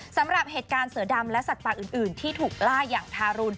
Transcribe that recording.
สำหรับเหตุการณ์เสือดำและสัตว์ป่าอื่นที่ถูกล่าอย่างทารุณ